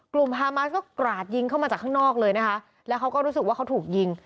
ฮามาสก็กราดยิงเข้ามาจากข้างนอกเลยนะคะแล้วเขาก็รู้สึกว่าเขาถูกยิง